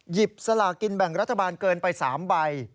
สลากินแบ่งรัฐบาลเกินไป๓ใบ